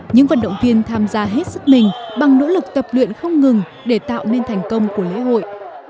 những vận động viên tham gia hết sức mình bằng nỗ lực tập luyện không ngừng để tạo nên thành công của lễ hội